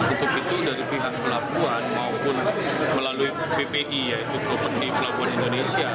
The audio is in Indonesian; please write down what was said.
untuk itu dari pihak pelabuhan maupun melalui ppi yaitu open di pelabuhan indonesia